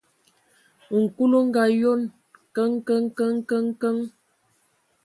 Nkul o ngaayon: Kəŋ, kəŋ, kəŋ, kəŋ, kəŋ!.